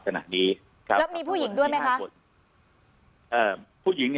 ขณะนี้ครับแล้วมีผู้หญิงด้วยไหมคะเอ่อผู้หญิงเนี่ย